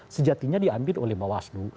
sejatinya diambil oleh bawaslu